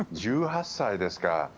１８歳ですか。